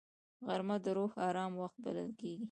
غرمه د روح آرام وخت بلل کېږي